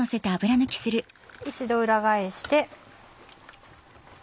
一度裏返して。